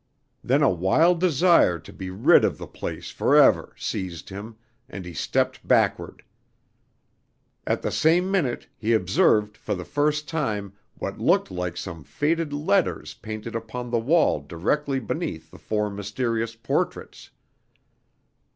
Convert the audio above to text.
Then a wild desire to be rid of the place forever seized him, and he stepped backward. At the same minute he observed for the first time what looked like some faded letters painted upon the wall directly beneath the four mysterious portraits.